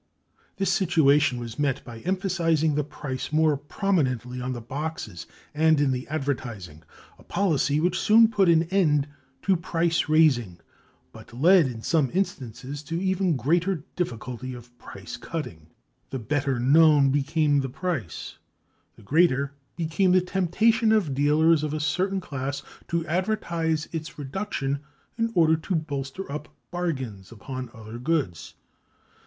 This situation was met by emphasizing the price more prominently on the boxes and in the advertising, a policy which soon put an end to price raising but led, in some instances, to the even greater difficulty of price cutting. The better known became the price, the greater became the temptation to dealers of a certain class to advertise its reduction in order to bolster up "bargains" upon other goods.